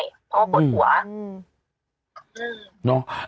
เพราะว่าปวดหัว